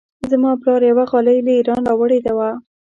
زما پلار یوه غالۍ له ایران راوړې وه.